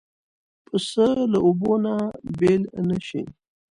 پسه له اوبو نه بېل نه شي.